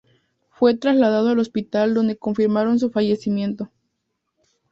Fue trasladado al hospital donde confirmaron su fallecimiento.